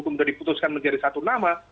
kemudian diputuskan menjadi satu nama